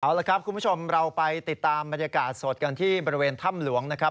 เอาละครับคุณผู้ชมเราไปติดตามบรรยากาศสดกันที่บริเวณถ้ำหลวงนะครับ